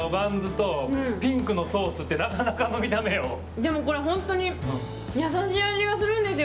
でもこれ、本当に優しい味がするんですよ。